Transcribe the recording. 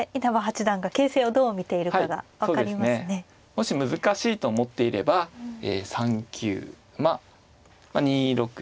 もし難しいと思っていれば３九馬２六飛車４九馬